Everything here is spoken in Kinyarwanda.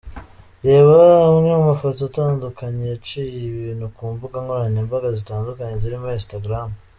Reba amwe mu mafoto atandukanye yaciye ibintu ku mbuga nkoranyambaga zitandukanye zirimo Instagram .